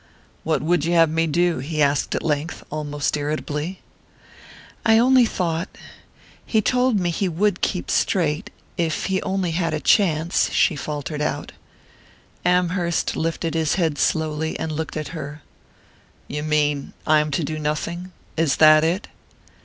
"What would you have me do?" he asked at length, almost irritably. "I only thought...he told me he would keep straight...if he only had a chance," she faltered out. Amherst lifted his head slowly, and looked at her. "You mean I am to do nothing? Is that it?"